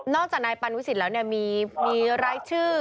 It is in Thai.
จากนายปันวิสิตแล้วมีรายชื่อ